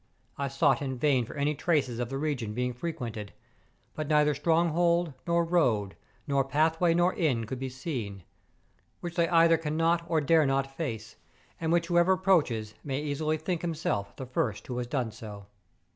I sought in vain for any traces of the region being frequented: but neither stronghold, nor road, nor pathway, nor inn could be seen; travellers avoid this wild region, which they either cannot or dare not face, and which whoever approaches may easily think himself the first who has done so.